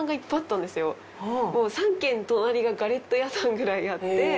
もう３軒隣がガレット屋さんくらいあって。